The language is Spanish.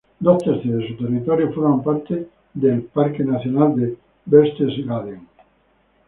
Dos tercios de su territorio forman parte del parque nacional de Berchtesgaden.